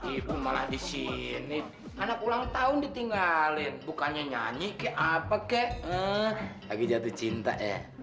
ibu malah disini anak ulang tahun ditinggalin bukannya nyanyi ke apa ke lagi jatuh cinta ya